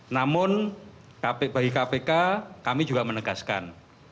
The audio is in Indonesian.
namun bagi kpk kami juga menegaskan